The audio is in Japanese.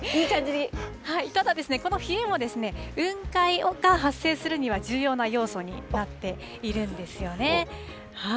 ただ、この冷えも雲海が発生するのに重要な要素になっているんですよね。